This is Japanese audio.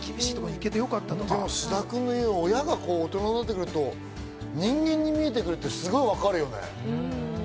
でも菅田君の言う大人になってくると親が人間に見えてくるってすごくよくわかるよね。